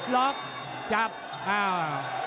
ล็อกจับอ้าว